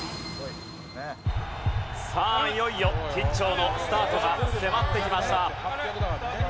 さあいよいよ緊張のスタートが迫ってきました。